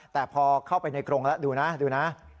แต่พอเข้าไปในกรงแล้วดูนะดูนะ